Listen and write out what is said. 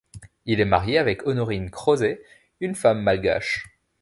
Il est marié avec Honorine Crozes, une femme malgache.